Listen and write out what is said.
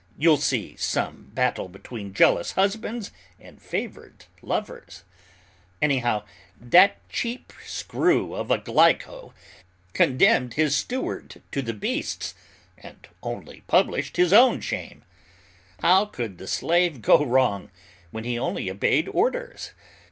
You'll see some battle between jealous husbands and favored lovers. Anyhow, that cheap screw of a Glyco condemned his steward to the beasts and only published his own shame. How could the slave go wrong when he only obeyed orders?